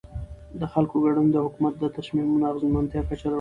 د خلکو ګډون د حکومت د تصمیمونو د اغیزمنتیا کچه لوړوي